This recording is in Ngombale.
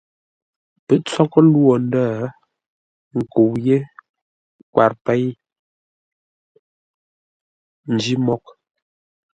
Pə́ tsóghʼə́ lwô ndə̂, nkəu yé kwar péi nj́-mǒghʼ.